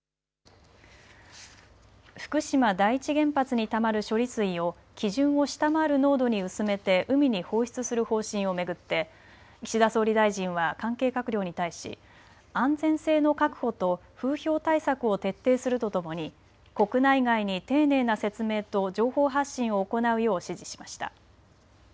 福島第一原発にたまる処理水を基準を下回る濃度に薄めて海に放出する方針を巡って岸田総理大臣は関係閣僚に対し安全性の確保と風評対策を徹底するとともに国内外に丁寧な説明と情報発信を行うよう指示しました。